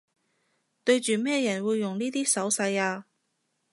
對住咩人會用呢啲手勢吖